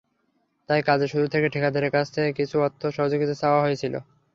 তাই কাজের শুরু থেকে ঠিকাদারের কাছে কিছু অর্থ সহযোগিতা চাওয়া হয়েছিল।